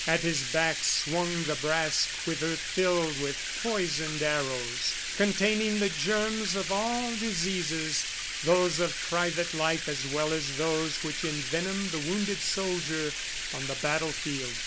At his back swung the brass quiver filled with poisoned arrows, containing the germs of all diseases those of private life as well as those which envenom the wounded soldier on the battlefield.